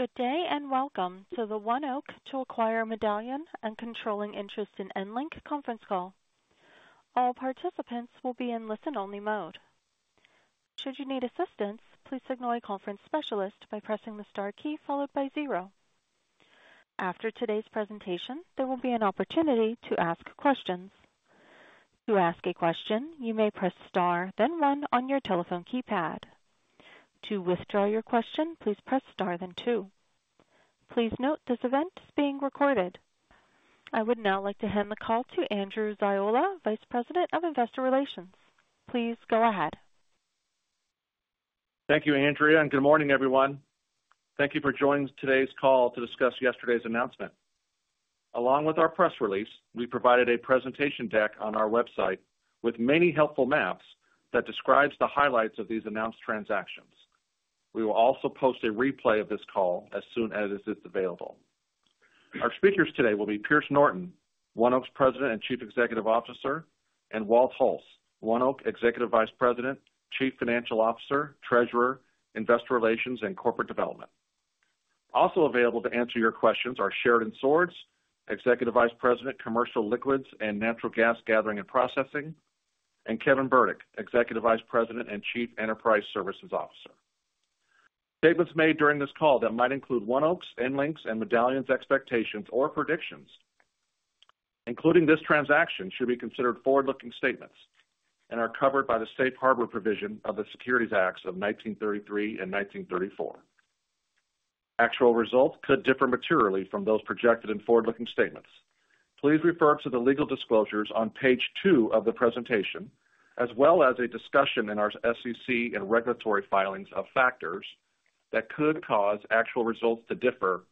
Good day, and welcome to the ONEOK to acquire Medallion and controlling interest in EnLink conference call. All participants will be in listen-only mode. Should you need assistance, please signal a conference specialist by pressing the star key followed by zero. After today's presentation, there will be an opportunity to ask questions. To ask a question, you may press star, then one on your telephone keypad. To withdraw your question, please press star then two. Please note this event is being recorded. I would now like to hand the call to Andrew Ziola, Vice President of Investor Relations. Please go ahead. Thank you, Andrew, and good morning everyone. Thank you for joining today's call to discuss yesterday's announcement. Along with our press release, we provided a presentation deck on our website with many helpful maps that describe the highlights of these announced transactions. We will also post a replay of this call as soon as it is available. Our speakers today will be Pierce Norton, ONEOK's President and Chief Executive Officer, and Walt Hulse, ONEOK Executive Vice President, Chief Financial Officer, Treasurer, Investor Relations, and Corporate Development. Also available to answer your questions are Sheridan Swords, Executive Vice President, Commercial Liquids and Natural Gas Gathering and Processing, and Kevin Burdick, Executive Vice President and Chief Enterprise Services Officer. Statements made during this call that might include ONEOK's, EnLink's, and Medallion's expectations or predictions, including this transaction, should be considered forward-looking statements and are covered by the Safe Harbor provision of the Securities Acts of 1933 and nineteen thirty-four. Actual results could differ materially from those projected in forward-looking statements. Please refer to the legal disclosures on page two of the presentation, as well as a discussion in our SEC and regulatory filings of factors that could cause actual results to differ.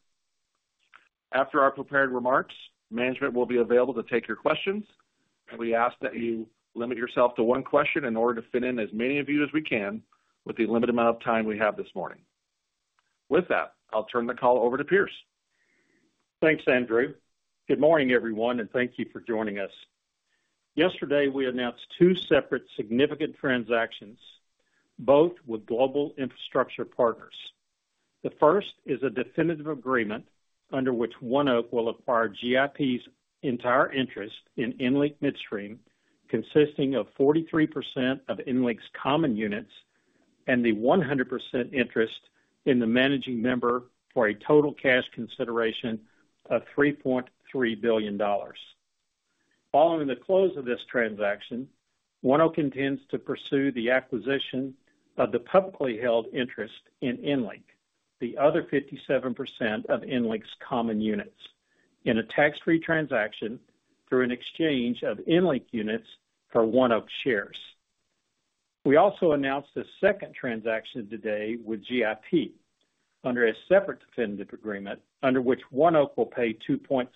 After our prepared remarks, management will be available to take your questions, and we ask that you limit yourself to one question in order to fit in as many of you as we can with the limited amount of time we have this morning. With that, I'll turn the call over to Pierce. Thanks, Andrew. Good morning, everyone, and thank you for joining us. Yesterday, we announced two separate significant transactions, both with Global Infrastructure Partners. The first is a definitive agreement under which ONEOK will acquire GIP's entire interest in EnLink Midstream, consisting of 43% of EnLink's common units and the 100% interest in the managing member for a total cash consideration of $3.3 billion. Following the close of this transaction, ONEOK intends to pursue the acquisition of the publicly held interest in EnLink, the other 57% of EnLink's common units, in a tax-free transaction through an exchange of EnLink units for ONEOK shares. We also announced a second transaction today with GIP under a separate definitive agreement, under which ONEOK will pay $2.6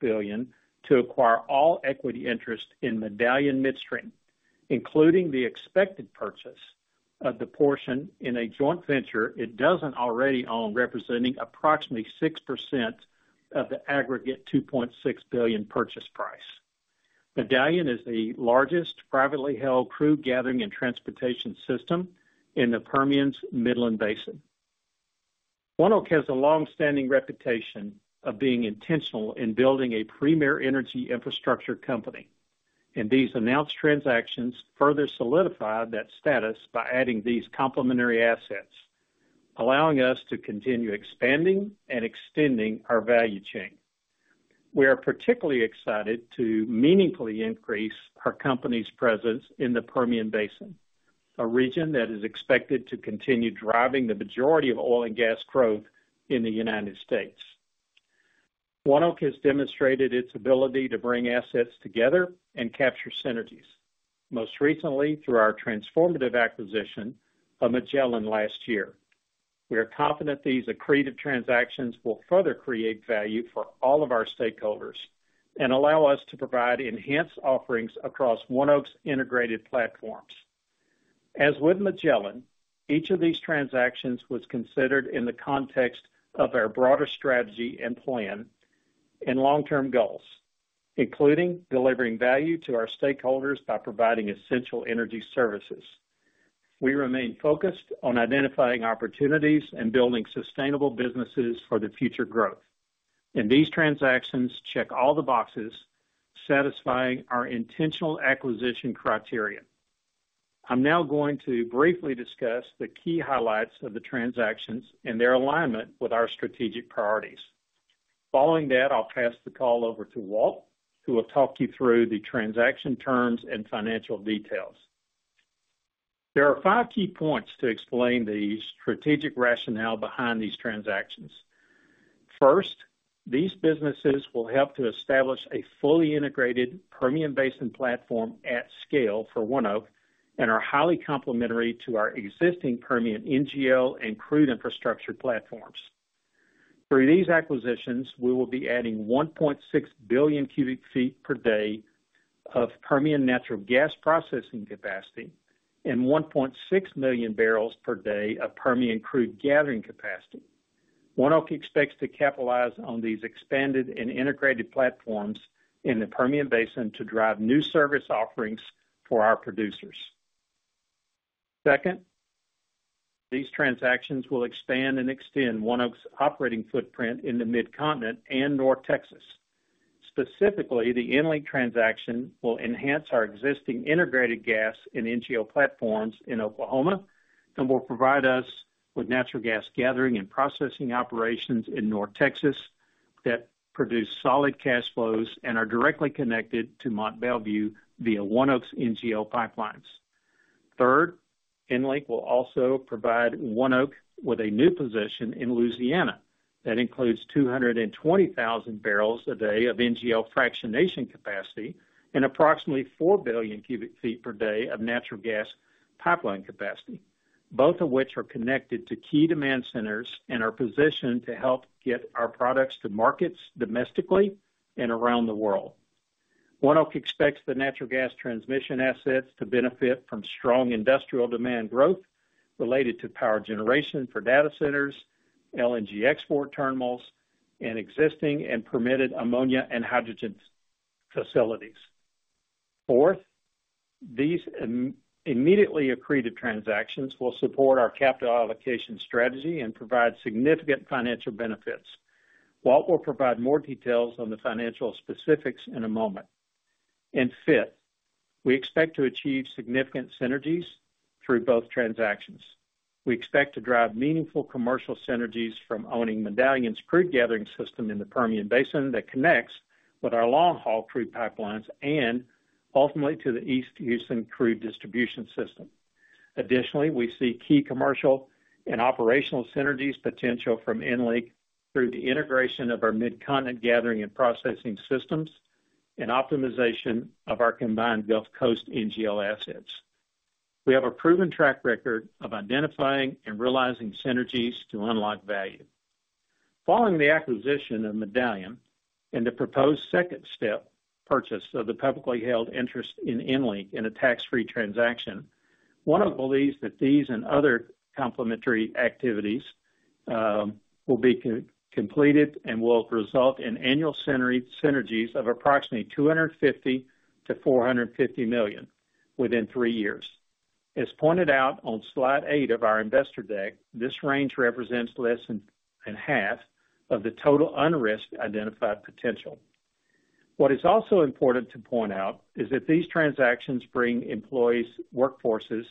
billion to acquire all equity interest in Medallion Midstream, including the expected purchase of the portion in a joint venture it doesn't already own, representing approximately 6% of the aggregate $2.6 billion purchase price. Medallion is the largest privately held crude gathering and transportation system in the Permian's Midland Basin. ONEOK has a long-standing reputation of being intentional in building a premier energy infrastructure company, and these announced transactions further solidify that status by adding these complementary assets, allowing us to continue expanding and extending our value chain. We are particularly excited to meaningfully increase our company's presence in the Permian Basin, a region that is expected to continue driving the majority of oil and gas growth in the United States. ONEOK has demonstrated its ability to bring assets together and capture synergies, most recently through our transformative acquisition of Magellan last year. We are confident these accretive transactions will further create value for all of our stakeholders and allow us to provide enhanced offerings across ONEOK's integrated platforms. As with Magellan, each of these transactions was considered in the context of our broader strategy and plan and long-term goals, including delivering value to our stakeholders by providing essential energy services. We remain focused on identifying opportunities and building sustainable businesses for the future growth, and these transactions check all the boxes, satisfying our intentional acquisition criteria. I'm now going to briefly discuss the key highlights of the transactions and their alignment with our strategic priorities. Following that, I'll pass the call over to Walt, who will talk you through the transaction terms and financial details. There are five key points to explain the strategic rationale behind these transactions. First, these businesses will help to establish a fully integrated Permian Basin platform at scale for ONEOK and are highly complementary to our existing Permian NGL and crude infrastructure platforms. Through these acquisitions, we will be adding one point six billion cubic feet per day of Permian natural gas processing capacity and one point six million barrels per day of Permian crude gathering capacity. ONEOK expects to capitalize on these expanded and integrated platforms in the Permian Basin to drive new service offerings for our producers. Second, these transactions will expand and extend ONEOK's operating footprint in the Mid-Continent and North Texas. Specifically, the EnLink transaction will enhance our existing integrated gas and NGL platforms in Oklahoma and will provide us with natural gas gathering and processing operations in North Texas that produce solid cash flows and are directly connected to Mont Belvieu via ONEOK's NGL pipelines. Third, EnLink will also provide ONEOK with a new position in Louisiana that includes 220,000 barrels a day of NGL fractionation capacity and approximately 4 billion cubic feet per day of natural gas pipeline capacity, both of which are connected to key demand centers and are positioned to help get our products to markets domestically and around the world. ONEOK expects the natural gas transmission assets to benefit from strong industrial demand growth related to power generation for data centers, LNG export terminals, and existing and permitted ammonia and hydrogen facilities. Fourth, these immediately accretive transactions will support our capital allocation strategy and provide significant financial benefits. Walt will provide more details on the financial specifics in a moment. Fifth, we expect to achieve significant synergies through both transactions. We expect to drive meaningful commercial synergies from owning Medallion's crude gathering system in the Permian Basin that connects with our long-haul crude pipelines and ultimately to the East Houston crude distribution system. Additionally, we see key commercial and operational synergies potential from EnLink through the integration of our Mid-Continent gathering and processing systems and optimization of our combined Gulf Coast NGL assets. We have a proven track record of identifying and realizing synergies to unlock value. Following the acquisition of Medallion and the proposed second step purchase of the publicly held interest in EnLink in a tax-free transaction, ONEOK believes that these and other complementary activities will be completed and will result in annual synergies of approximately $250-$450 million within three years. As pointed out on slide eight of our investor deck, this range represents less than half of the total unrisked identified potential. What is also important to point out is that these transactions bring employee workforces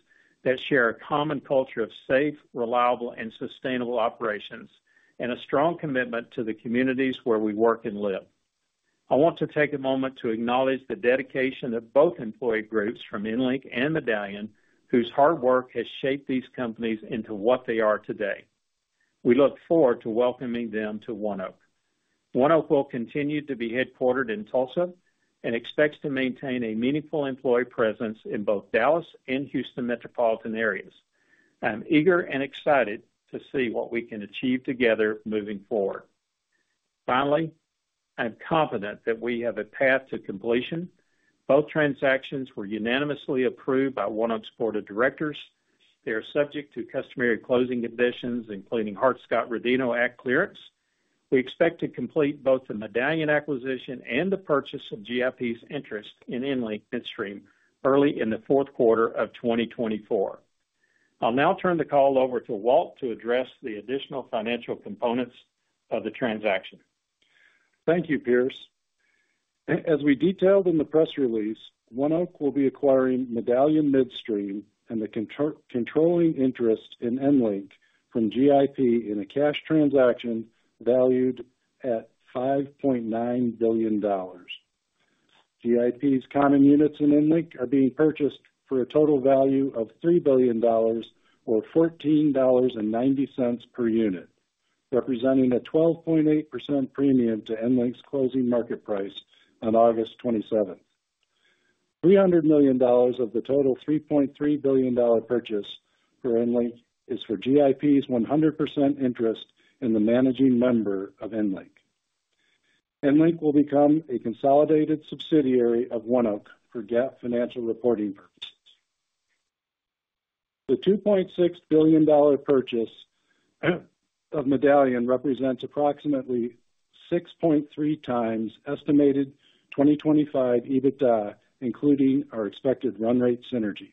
that share a common culture of safe, reliable, and sustainable operations, and a strong commitment to the communities where we work and live. I want to take a moment to acknowledge the dedication of both employee groups from EnLink and Medallion, whose hard work has shaped these companies into what they are today. We look forward to welcoming them to ONEOK. ONEOK will continue to be headquartered in Tulsa and expects to maintain a meaningful employee presence in both Dallas and Houston metropolitan areas. I'm eager and excited to see what we can achieve together moving forward. Finally, I'm confident that we have a path to completion. Both transactions were unanimously approved by ONEOK's board of directors. They are subject to customary closing conditions, including Hart-Scott-Rodino Act clearance. We expect to complete both the Medallion acquisition and the purchase of GIP's interest in EnLink Midstream early in the fourth quarter of twenty twenty-four. I'll now turn the call over to Walt to address the additional financial components of the transaction. Thank you, Pierce. As we detailed in the press release, ONEOK will be acquiring Medallion Midstream and the controlling interest in EnLink from GIP in a cash transaction valued at $5.9 billion. GIP's common units in EnLink are being purchased for a total value of $3 billion or $14.90 per unit, representing a 12.8% premium to EnLink's closing market price on August twenty-seventh. Three hundred million dollars of the total $3.3 billion purchase for EnLink is for GIP's 100% interest in the managing member of EnLink. EnLink will become a consolidated subsidiary of ONEOK for GAAP financial reporting purposes. The $2.6 billion purchase of Medallion represents approximately 6.3 times estimated 2025 EBITDA, including our expected run rate synergies.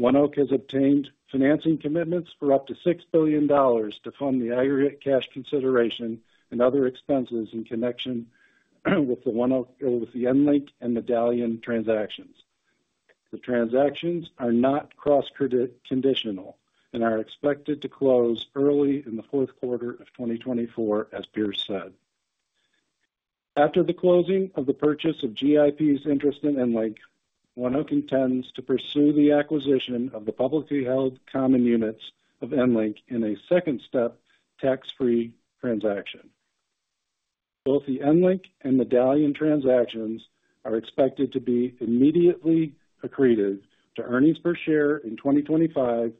ONEOK has obtained financing commitments for up to $6 billion to fund the aggregate cash consideration and other expenses in connection with the EnLink and Medallion transactions. The transactions are not cross-credit conditional and are expected to close early in the fourth quarter of 2024, as Pierce said. After the closing of the purchase of GIP's interest in EnLink, ONEOK intends to pursue the acquisition of the publicly held common units of EnLink in a second-step, tax-free transaction. Both the EnLink and Medallion transactions are expected to be immediately accretive to earnings per share in 2025,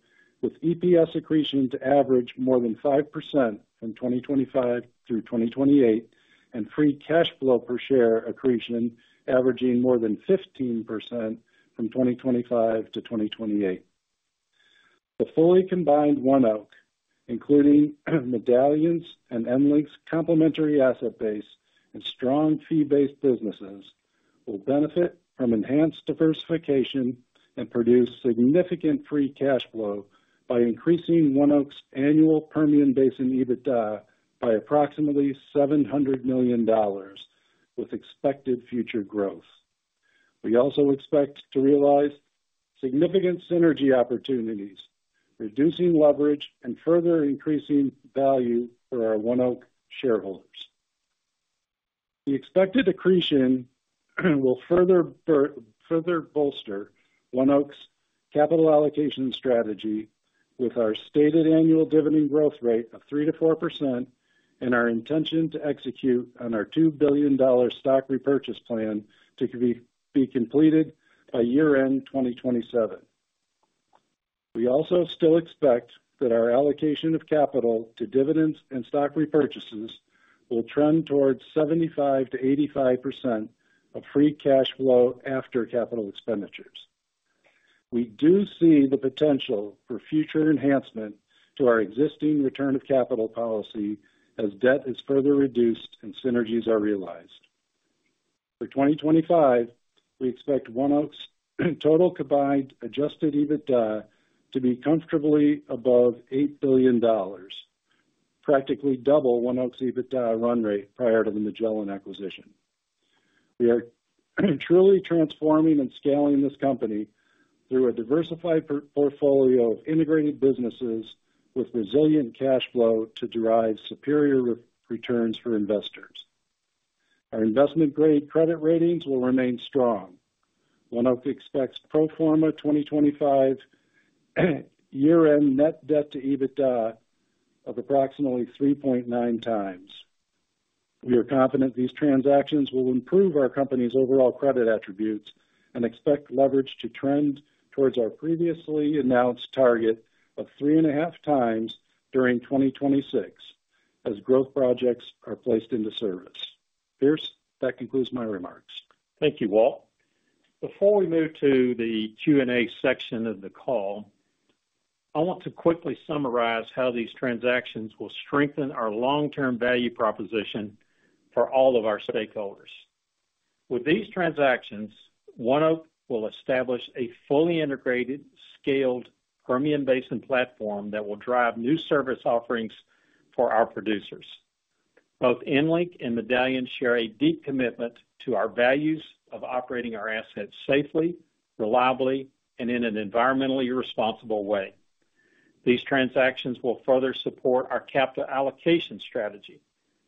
with EPS accretion to average more than 5% from 2025 through 2028, and free cash flow per share accretion averaging more than 15% from 2025 to 2028. The fully combined ONEOK, including Medallion's and EnLink's complementary asset base and strong fee-based businesses, will benefit from enhanced diversification and produce significant free cash flow by increasing ONEOK's annual Permian Basin EBITDA by approximately $700 million with expected future growth. We also expect to realize significant synergy opportunities, reducing leverage and further increasing value for our ONEOK shareholders. The expected accretion will further bolster ONEOK's capital allocation strategy with our stated annual dividend growth rate of 3%-4% and our intention to execute on our $2 billion stock repurchase plan to be completed by year-end 2027. We also still expect that our allocation of capital to dividends and stock repurchases will trend towards 75%-85% of free cash flow after capital expenditures. We do see the potential for future enhancement to our existing return of capital policy as debt is further reduced and synergies are realized. For 2025, we expect ONEOK's total combined adjusted EBITDA to be comfortably above $8 billion, practically double ONEOK's EBITDA run rate prior to the Magellan acquisition. We are truly transforming and scaling this company through a diversified portfolio of integrated businesses with resilient cash flow to derive superior returns for investors. Our investment-grade credit ratings will remain strong. ONEOK expects pro forma 2025 year-end net debt to EBITDA of approximately 3.9 times. We are confident these transactions will improve our company's overall credit attributes and expect leverage to trend towards our previously announced target of 3.5 times during 2026, as growth projects are placed into service. Pierce, that concludes my remarks. Thank you, Walt. Before we move to the Q&A section of the call, I want to quickly summarize how these transactions will strengthen our long-term value proposition for all of our stakeholders. With these transactions, ONEOK will establish a fully integrated, scaled Permian Basin platform that will drive new service offerings for our producers. Both EnLink and Medallion share a deep commitment to our values of operating our assets safely, reliably, and in an environmentally responsible way. These transactions will further support our capital allocation strategy,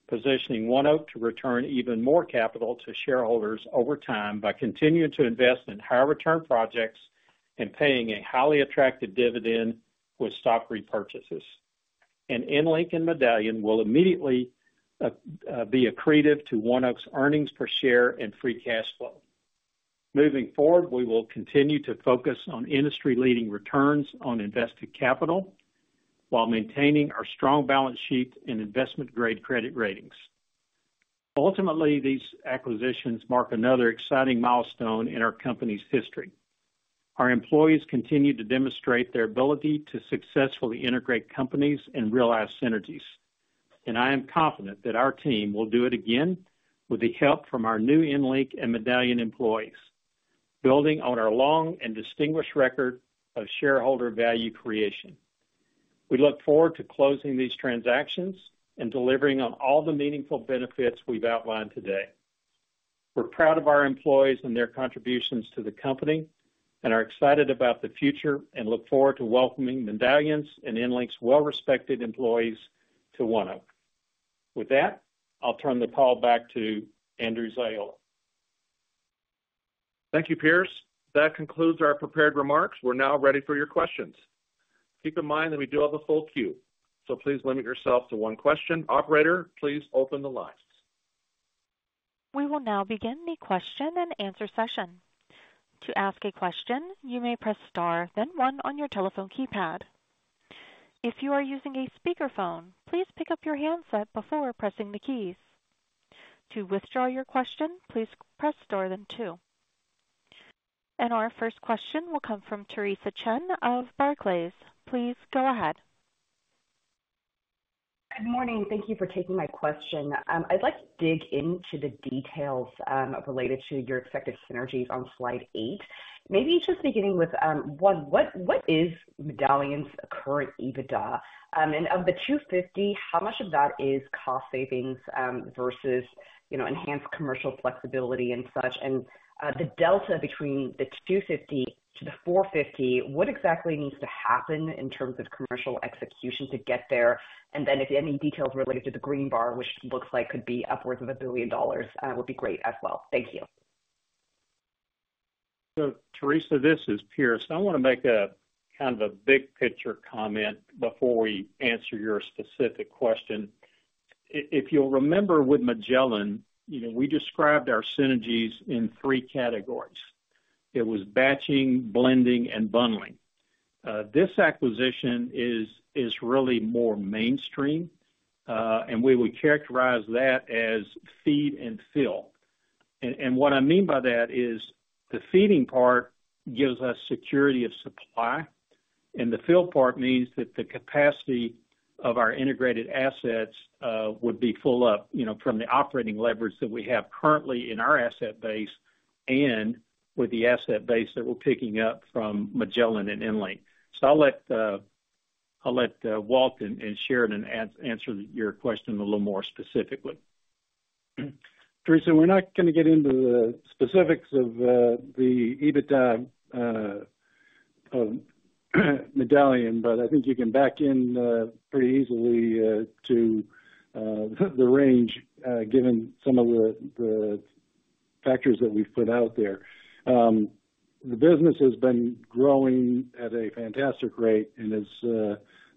positioning ONEOK to return even more capital to shareholders over time by continuing to invest in high return projects and paying a highly attractive dividend with stock repurchases. EnLink and Medallion will immediately be accretive to ONEOK's earnings per share and free cash flow. Moving forward, we will continue to focus on industry-leading returns on invested capital while maintaining our strong balance sheet and investment-grade credit ratings. Ultimately, these acquisitions mark another exciting milestone in our company's history. Our employees continue to demonstrate their ability to successfully integrate companies and realize synergies, and I am confident that our team will do it again with the help from our new EnLink and Medallion employees, building on our long and distinguished record of shareholder value creation. We look forward to closing these transactions and delivering on all the meaningful benefits we've outlined today. We're proud of our employees and their contributions to the company, and are excited about the future, and look forward to welcoming Medallion's and EnLink's well-respected employees to ONEOK. With that, I'll turn the call back to Andrew Ziola. Thank you, Pierce. That concludes our prepared remarks. We're now ready for your questions. Keep in mind that we do have a full queue, so please limit yourself to one question. Operator, please open the lines. We will now begin the question and answer session. To ask a question, you may press star, then one on your telephone keypad. If you are using a speakerphone, please pick up your handset before pressing the keys. To withdraw your question, please press star then two. And our first question will come from Teresa Chen of Barclays. Please go ahead. Good morning, thank you for taking my question. I'd like to dig into the details related to your expected synergies on slide eight. Maybe just beginning with one, what is Medallion's current EBITDA? And of the $250 million, how much of that is cost savings versus, you know, enhanced commercial flexibility and such? And the delta between the $250 million to the $450 million, what exactly needs to happen in terms of commercial execution to get there? And then if you have any details related to the green bar, which looks like could be upwards of $1 billion, would be great as well. Thank you. Teresa, this is Pierce. I want to make a kind of a big picture comment before we answer your specific question. If you'll remember with Magellan, you know, we described our synergies in three categories. It was batching, blending, and bundling. This acquisition is really more mainstream, and we would characterize that as feed and fill. What I mean by that is the feeding part gives us security of supply, and the fill part means that the capacity of our integrated assets would be full up, you know, from the operating leverage that we have currently in our asset base and with the asset base that we're picking up from Magellan and EnLink. I'll let Walt and Sheridan answer your question a little more specifically. Teresa, we're not gonna get into the specifics of the EBITDA of Medallion, but I think you can back in pretty easily to the range given some of the factors that we've put out there. The business has been growing at a fantastic rate and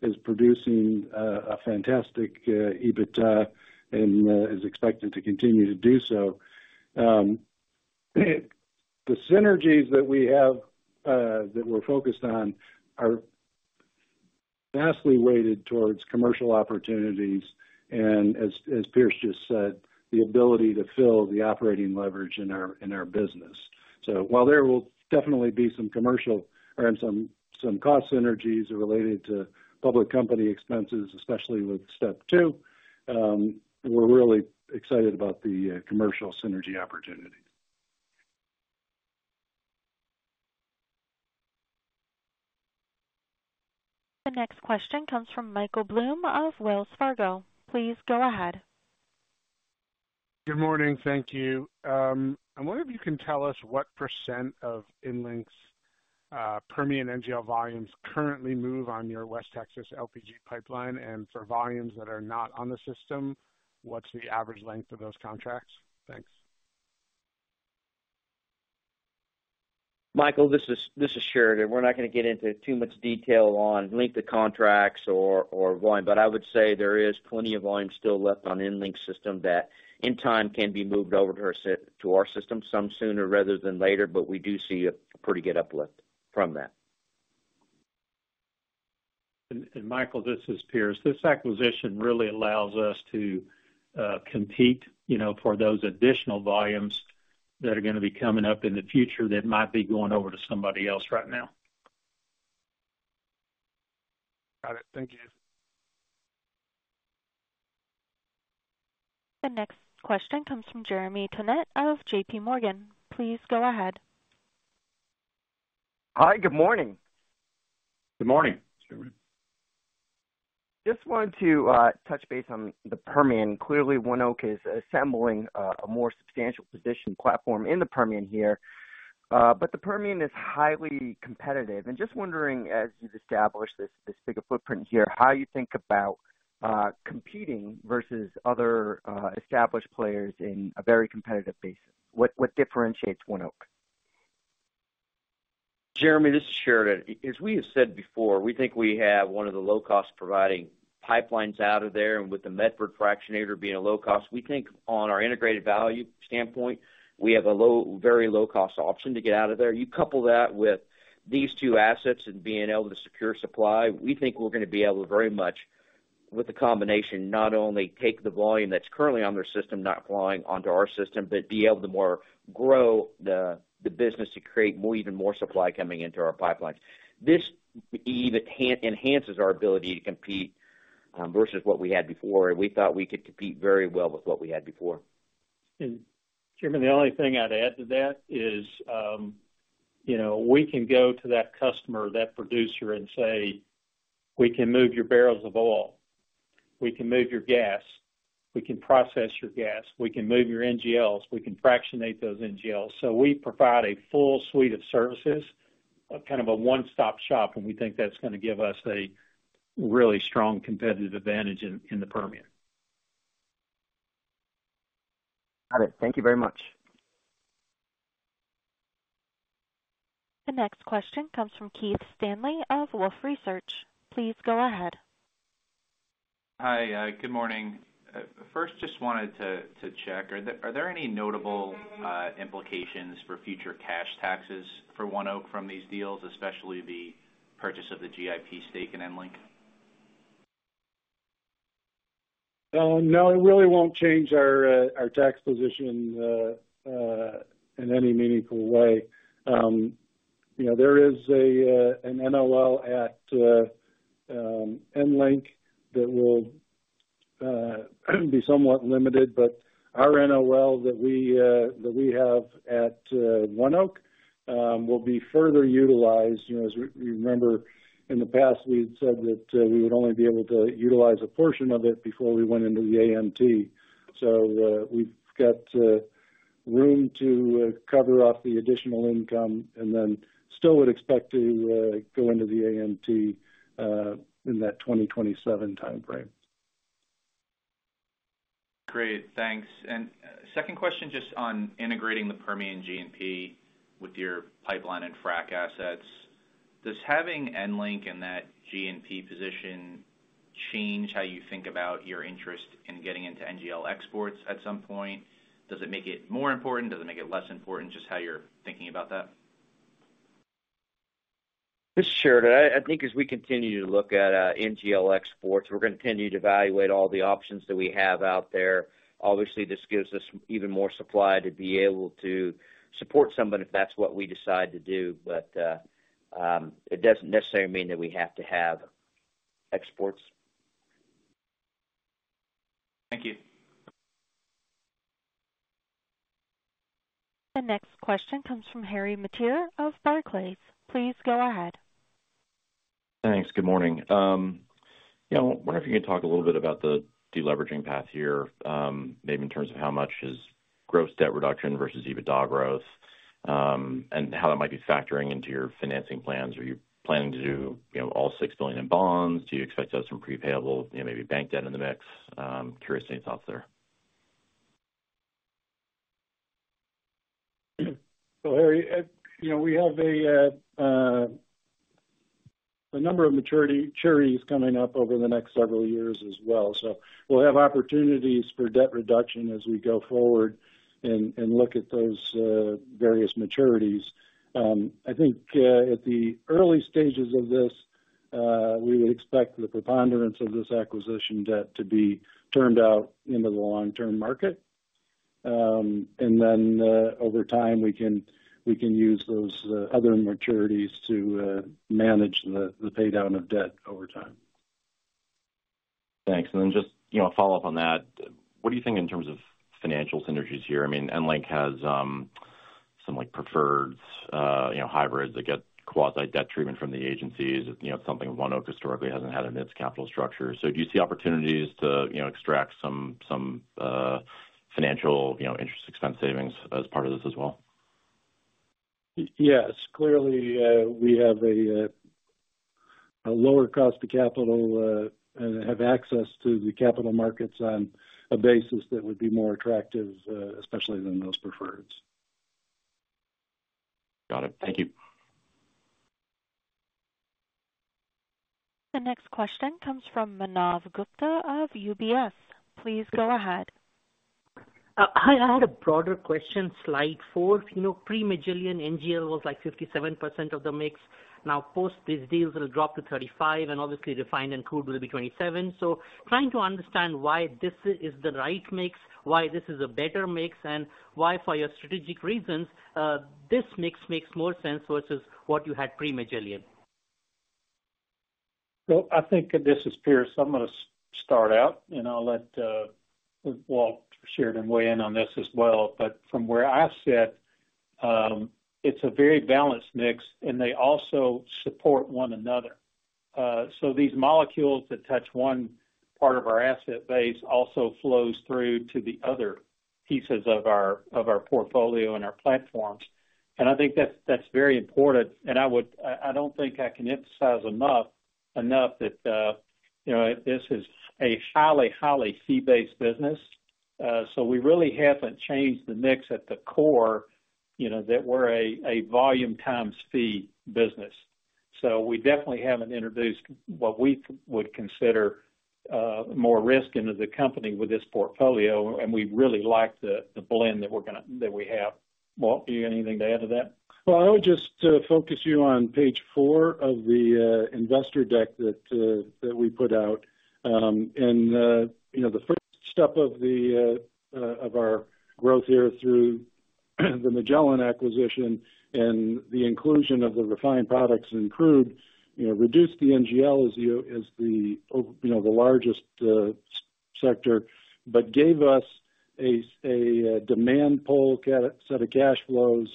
is producing a fantastic EBITDA and is expected to continue to do so. The synergies that we have that we're focused on are vastly weighted towards commercial opportunities, and as Pierce just said, the ability to fill the operating leverage in our business. So while there will definitely be some commercial or some cost synergies related to public company expenses, especially with step two, we're really excited about the commercial synergy opportunity. The next question comes from Michael Bloom of Wells Fargo. Please go ahead. Good morning. Thank you. I wonder if you can tell us what % of EnLink's Permian NGL volumes currently move on your West Texas LPG pipeline, and for volumes that are not on the system, what's the average length of those contracts? Thanks. Michael, this is Sheridan. We're not gonna get into too much detail on length of contracts or volume, but I would say there is plenty of volume still left on EnLink system that in time can be moved over to our system, some sooner rather than later, but we do see a pretty good uplift from that. Michael, this is Pierce. This acquisition really allows us to compete, you know, for those additional volumes that are gonna be coming up in the future that might be going over to somebody else right now. Got it. Thank you. The next question comes from Jeremy Tonet of JPMorgan. Please go ahead. Hi, good morning. Good morning, Jeremy. Just wanted to touch base on the Permian. Clearly, ONEOK is assembling a more substantial position platform in the Permian here. But the Permian is highly competitive, and just wondering, as you've established this bigger footprint here, how you think about competing versus other established players in a very competitive basis. What differentiates ONEOK? Jeremy, this is Sheridan. As we have said before, we think we have one of the low-cost providing pipelines out of there, and with the Medford fractionator being a low cost, we think on our integrated value standpoint, we have a very low-cost option to get out of there. You couple that with these two assets and being able to secure supply, we think we're gonna be able to very much, with the combination, not only take the volume that's currently on their system, not flowing onto our system, but be able to more grow the business to create more, even more supply coming into our pipelines. This even enhances our ability to compete versus what we had before, and we thought we could compete very well with what we had before. Jeremy, the only thing I'd add to that is, you know, we can go to that customer or that producer and say, "We can move your barrels of oil. We can move your gas. We can process your gas. We can move your NGLs. We can fractionate those NGLs." So we provide a full suite of services, a kind of a one-stop shop, and we think that's gonna give us a really strong competitive advantage in the Permian. Got it. Thank you very much. The next question comes from Keith Stanley of Wolfe Research. Please go ahead. Hi, good morning. First, just wanted to check, are there any notable implications for future cash taxes for ONEOK from these deals, especially the purchase of the GIP stake in EnLink? No, it really won't change our tax position in any meaningful way. You know, there is an NOL at EnLink that will be somewhat limited, but our NOL that we have at ONEOK will be further utilized. You know, as we remember, in the past, we had said that we would only be able to utilize a portion of it before we went into the AMT. So, we've got room to cover up the additional income and then still would expect to go into the AMT in that 2027 time frame. Great, thanks. And second question, just on integrating the Permian NGL with your pipeline and frack assets. Does having EnLink in that NGL position change how you think about your interest in getting into NGL exports at some point? Does it make it more important? Does it make it less important? Just how you're thinking about that. ... Sure. I think as we continue to look at NGL exports, we're going to continue to evaluate all the options that we have out there. Obviously, this gives us even more supply to be able to support somebody if that's what we decide to do. But it doesn't necessarily mean that we have to have exports. Thank you. The next question comes from Harry Mateer of Barclays. Please go ahead. Thanks. Good morning. You know, I wonder if you can talk a little bit about the deleveraging path here, maybe in terms of how much is gross debt reduction versus EBITDA growth, and how that might be factoring into your financing plans. Are you planning to do, you know, all $6 billion in bonds? Do you expect to have some prepayables, you know, maybe bank debt in the mix? Curious to see your thoughts there. So, Harry, you know, we have a number of maturities coming up over the next several years as well. So we'll have opportunities for debt reduction as we go forward and look at those various maturities. I think at the early stages of this, we would expect the preponderance of this acquisition debt to be turned out into the long-term market. And then, over time, we can use those other maturities to manage the paydown of debt over time. Thanks, and then just, you know, a follow-up on that. What do you think in terms of financial synergies here? I mean, EnLink has some, like, preferred, you know, hybrids that get quasi-debt treatment from the agencies. You know, something ONEOK historically hasn't had in its capital structure. So do you see opportunities to, you know, extract some financial, you know, interest expense savings as part of this as well? Yes. Clearly, we have a lower cost of capital, and have access to the capital markets on a basis that would be more attractive, especially than those preferreds. Got it. Thank you. The next question comes from Manav Gupta of UBS. Please go ahead. Hi. I had a broader question. Slide four, you know, pre-Magellan, NGL was like 57% of the mix. Now, post this deal, it'll drop to 35%, and obviously, refined and crude will be 27%. So trying to understand why this is the right mix, why this is a better mix, and why, for your strategic reasons, this mix makes more sense versus what you had pre-Magellan? I think, this is Pierce, I'm going to start out, and I'll let Walt and Sheridan weigh in on this as well. But from where I sit, it's a very balanced mix, and they also support one another. So these molecules that touch one part of our asset base also flows through to the other pieces of our portfolio and our platforms. And I think that's very important. And I would I don't think I can emphasize enough that you know, this is a highly fee-based business. So we really haven't changed the mix at the core, you know, that we're a volume times fee business. So we definitely haven't introduced what we would consider more risk into the company with this portfolio, and we really like the blend that we're gonna have. Walt, do you have anything to add to that? I would just focus you on page four of the investor deck that we put out. You know, the first step of our growth here through the Magellan acquisition and the inclusion of the refined products and crude, you know, reduced the NGL as the, as the, you know, the largest sector, but gave us a demand pull set of cash flows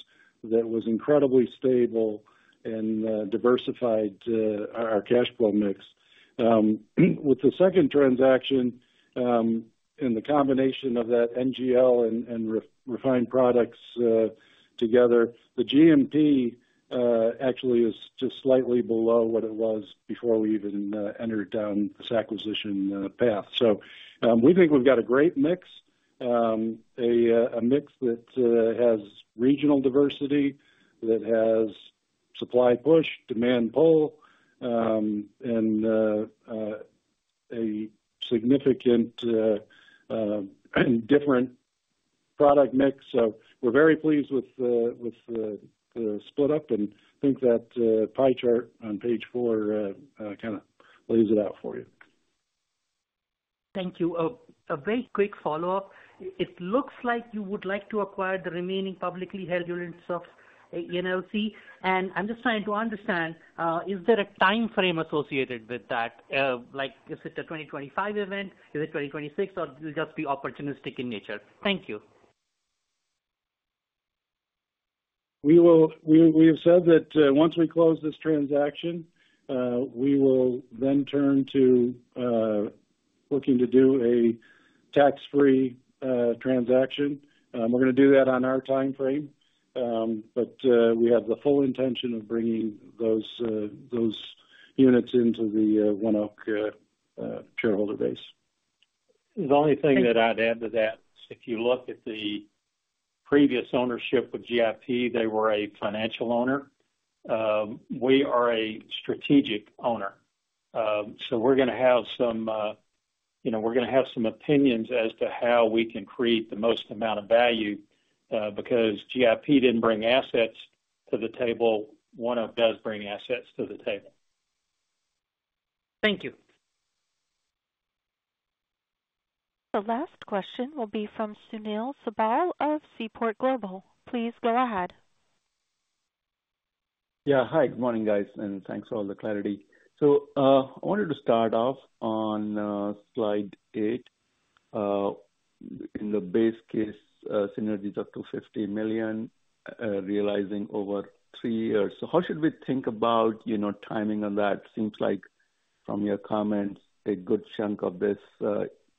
that was incredibly stable and diversified our cash flow mix. With the second transaction and the combination of that NGL and refined products together, the G&P actually is just slightly below what it was before we even entered into this acquisition path. So, we think we've got a great mix, a mix that has regional diversity, that has supply push, demand pull, and a significant different product mix. So we're very pleased with the split up and think that pie chart on page four kind of lays it out for you. Thank you. A very quick follow-up. It looks like you would like to acquire the remaining publicly held units of ENLC, and I'm just trying to understand, is there a timeframe associated with that? Like, is it a twenty twenty-five event? Is it twenty twenty-six, or will it just be opportunistic in nature? Thank you. We have said that, once we close this transaction, we will then turn to looking to do a tax-free transaction. We're going to do that on our timeframe, but we have the full intention of bringing those units into the ONEOK shareholder base. The only thing that I'd add to that, if you look at the previous ownership with GIP, they were a financial owner. We are a strategic owner. So we're gonna have some, you know, opinions as to how we can create the most amount of value, because GIP didn't bring assets to the table. ONEOK does bring assets to the table. Thank you. The last question will be from Sunil Sibal of Seaport Global. Please go ahead. Yeah. Hi, good morning, guys, and thanks for all the clarity. So, I wanted to start off on slide 8. In the base case, synergies up to $50 million, realizing over 3 years. So how should we think about, you know, timing on that? Seems like, from your comments, a good chunk of this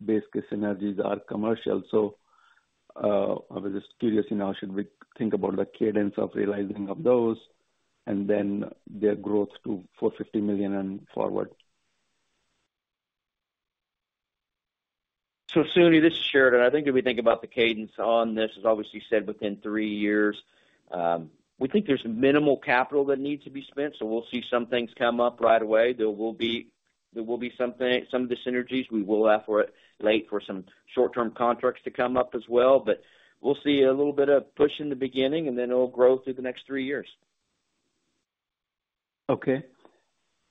base case synergies are commercial. So, I was just curious, you know, should we think about the cadence of realizing of those and then their growth to $450 million and forward? So Sunil, this is Sheridan. I think if we think about the cadence on this, as obviously said, within three years, we think there's minimal capital that needs to be spent, so we'll see some things come up right away. There will be something, some of the synergies. We will ask for it later for some short-term contracts to come up as well, but we'll see a little bit of push in the beginning, and then it'll grow through the next three years. Okay.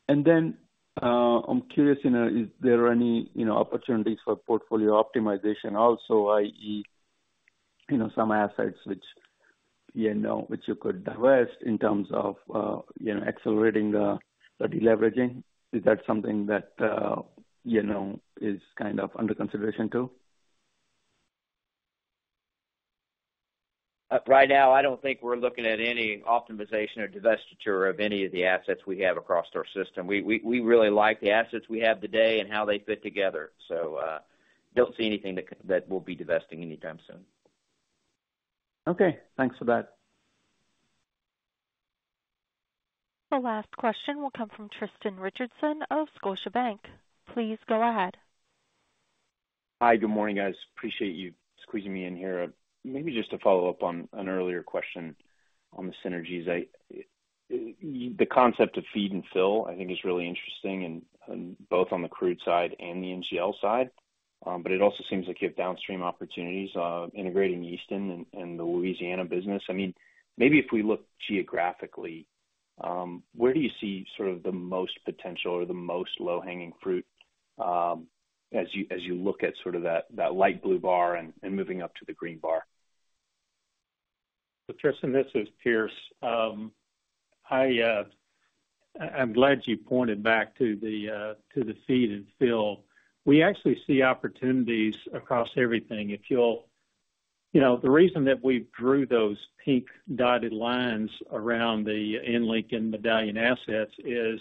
And then, I'm curious, you know, is there any, you know, opportunities for portfolio optimization also, i.e., you know, some assets which you could divest in terms of, you know, accelerating the deleveraging? Is that something that, you know, is kind of under consideration, too? Right now, I don't think we're looking at any optimization or divestiture of any of the assets we have across our system. We really like the assets we have today and how they fit together. I don't see anything that we'll be divesting anytime soon. Okay, thanks for that. The last question will come from Tristan Richardson of Scotiabank. Please go ahead. Hi, good morning, guys. Appreciate you squeezing me in here. Maybe just to follow up on an earlier question on the synergies. The concept of feed and fill, I think, is really interesting and both on the crude side and the NGL side, but it also seems like you have downstream opportunities integrating East Houston and the Louisiana business. I mean, maybe if we look geographically, where do you see sort of the most potential or the most low-hanging fruit as you look at sort of that light blue bar and moving up to the green bar? So Tristan, this is Pierce. I'm glad you pointed back to the feed and fill. We actually see opportunities across everything. If you'll, you know, the reason that we drew those pink dotted lines around the EnLink and Medallion assets is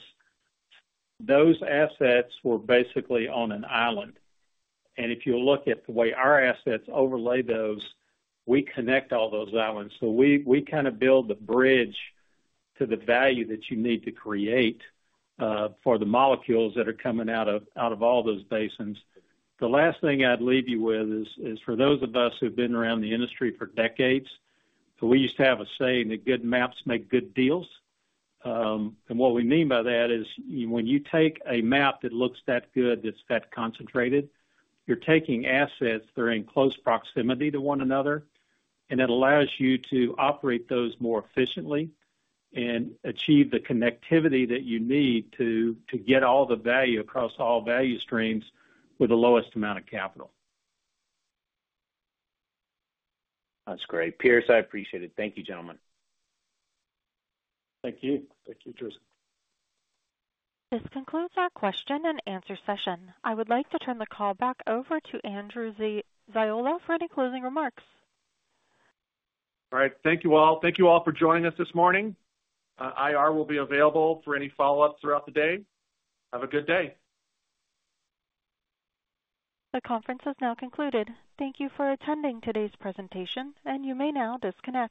those assets were basically on an island, and if you look at the way our assets overlay those, we connect all those islands, so we kind of build the bridge to the value that you need to create for the molecules that are coming out of all those basins. The last thing I'd leave you with is for those of us who've been around the industry for decades, so we used to have a saying that, "Good maps make good deals," and what we mean by that is when you take a map that looks that good, that's that concentrated, you're taking assets that are in close proximity to one another, and it allows you to operate those more efficiently and achieve the connectivity that you need to get all the value across all value streams with the lowest amount of capital. That's great. Pierce, I appreciate it. Thank you, gentlemen. Thank you. Thank you, Tristan. This concludes our question and answer session. I would like to turn the call back over to Andrew Ziola for any closing remarks. All right. Thank you all. Thank you all for joining us this morning. IR will be available for any follow-ups throughout the day. Have a good day. The conference has now concluded. Thank you for attending today's presentation, and you may now disconnect.